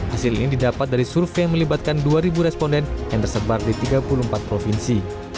hasil ini didapat dari survei yang melibatkan dua responden yang tersebar di tiga puluh empat provinsi